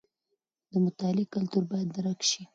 د مطالعې کلتور باید درک شي.